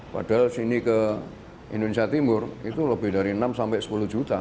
padahal sini ke indonesia timur itu lebih dari enam sampai sepuluh juta